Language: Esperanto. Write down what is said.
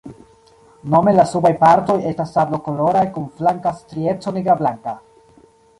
Nome la subaj partoj estas sablokoloraj kun flanka strieco nigrablanka.